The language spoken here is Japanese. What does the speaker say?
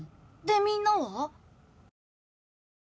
でみんなは？